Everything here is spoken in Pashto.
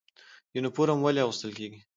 یونفورم ولې اغوستل کیږي؟